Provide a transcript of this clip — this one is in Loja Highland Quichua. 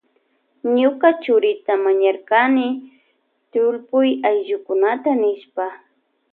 Ñuka churita mañarkani tullpuy ayllukunata nishpa.